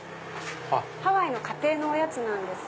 ハワイの家庭のおやつなんです。